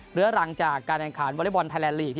เหลือรังจากการแขนการวอลลี่บอลไทยแลนด์ลีก